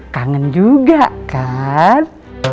kangen juga kan